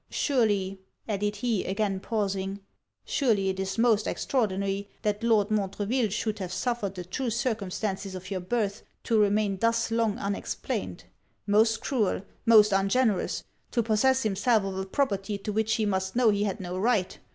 Surely,' added he, again pausing 'surely it is most extraordinary that Lord Montreville should have suffered the true circumstances of your birth to remain thus long unexplained. Most cruel! most ungenerous! to possess himself of a property to which he must know he had no right!